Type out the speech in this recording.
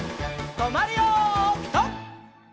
とまるよピタ！